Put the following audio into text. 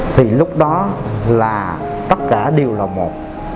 thì lúc đó là tất cả đều là một